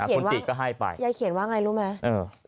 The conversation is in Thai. คุณติ๊กก็ให้ไปยายเขียนว่าไงรู้ไหมยายเขียนว่าไง